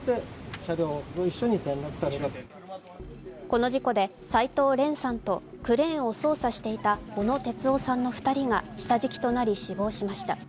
この事故で斉藤廉さんとクレーンを操作していた小野哲生さんの２人が下敷きとなり死亡しました。